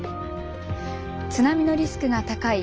津波のリスクが高い